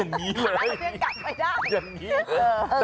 ตอนลงจากที่